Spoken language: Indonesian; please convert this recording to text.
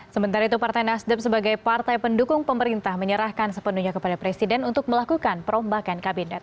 sementara itu partai nasdem sebagai partai pendukung pemerintah menyerahkan sepenuhnya kepada presiden untuk melakukan perombakan kabinet